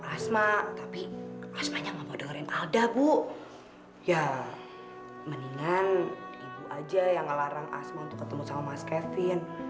asma untuk ketemu sama mas kevin